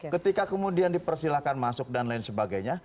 ketika kemudian dipersilahkan masuk dan lain sebagainya